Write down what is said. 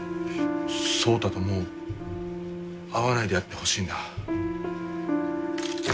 聡太ともう会わないでやってほしいんだ。